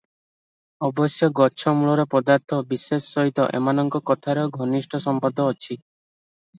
ଅବଶ୍ୟ ଗଛମୂଳର ପଦାର୍ଥ ବିଶେଷ ସହିତ ଏମାନଙ୍କ କଥାର ଘନିଷ୍ଠ ସମ୍ବନ୍ଧ ଅଛି ।